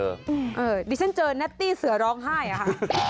เออเดี๋ยวฉันเจอนัตตี้เสือร้องไห้อะ